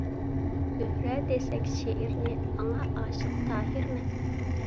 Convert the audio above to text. زۆھرە دېسەك شېئىرنى، ئاڭا ئاشىق تاھىر مەن.